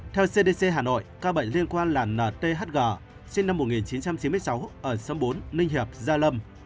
theo cdc hà nội ca bệnh liên quan là nthg sinh năm một nghìn chín trăm chín mươi sáu ở sâm bốn ninh hiệp gia lâm